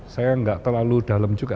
saya nggak terlalu dalam juga